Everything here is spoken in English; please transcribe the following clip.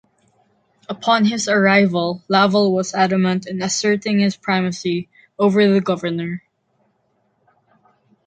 Upon his arrival, Laval was adamant in asserting his primacy over the governor.